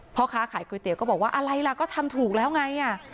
พ่อค้าขายก๋วยเตี๋ยก็บอกว่าอะไรล่ะก็ทำถูกแล้วไง